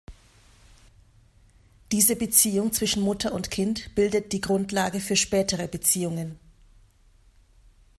Diese Beziehung zwischen Mutter und Kind bildet die Grundlage für spätere Beziehungen.